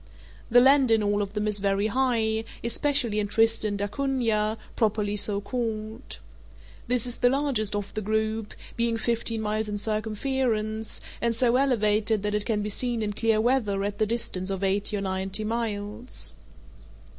The land in all of them is very high, especially in Tristan d'Acunha, properly so called. This is the largest of the group, being fifteen miles in circumference, and so elevated that it can be seen in clear weather at the distance of eighty or ninety miles.